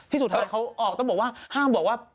สุดท้ายเขาออกต้องบอกว่าห้ามบอกว่า